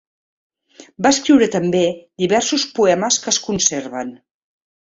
Va escriure també diversos poemes que es conserven.